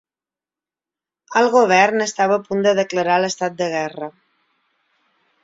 El Govern estava a punt de declarar l’estat de guerra